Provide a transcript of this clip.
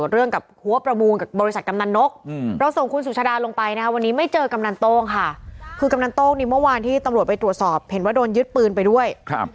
เราส่งคุณสุชาดาลงไปนะวันนี้ไม่เจอกำนันตรงค่ะคือกำนันตรงนี้เมื่อวานที่ตำรวจไปตรวจสอบเห็นว่าโดนยึดปืนไปด้วย